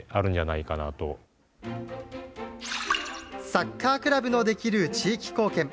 サッカークラブのできる地域貢献。